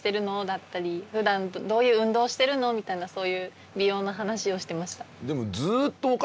だったり「ふだんどういう運動してるの？」みたいなそういう美容の話をしてました。